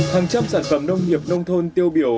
hàng trăm sản phẩm nông nghiệp nông thôn tiêu biểu